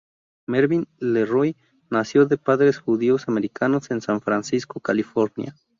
Mervyn LeRoy nació de padres judío americanos en San Francisco, California.